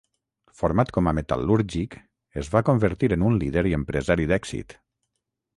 Format com a metal·lúrgic, es va convertir en un líder i empresari d'èxit.